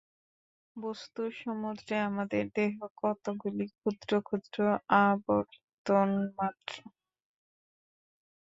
বস্তুর সমুদ্রে আমাদের দেহ কতকগুলি ক্ষুদ্র ক্ষুদ্র আবর্ত মাত্র।